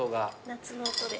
夏の音で。